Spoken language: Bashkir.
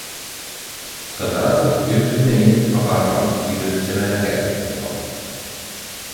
Ҡыҙрасов көл төҫөнә инеп ағарған йөҙөн Сәмәрәгә борҙо: